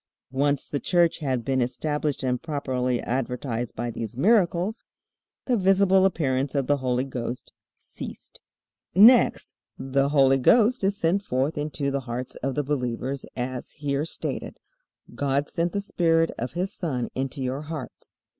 Once the Church had been established and properly advertised by these miracles, the visible appearance of the Holy Ghost ceased. Next, the Holy Ghost is sent forth into the hearts of the believers, as here stated, "God sent the Spirit of his Son into your hearts."